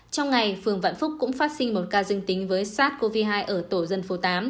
trong ngày phường vạn phúc cũng phát sinh một ca dương tính với sars cov hai ở tổ dân phố tám